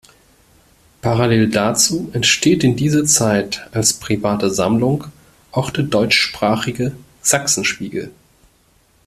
Parallel dazu entsteht in dieser Zeit als private Sammlung auch der deutschsprachige Sachsenspiegel.